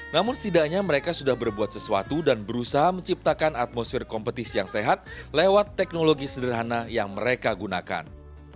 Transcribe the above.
namun setidaknya mereka sudah berbuat sesuatu dan berusaha menciptakan atmosfer kompetisi yang sehat lewat teknologi sederhana yang mereka gunakan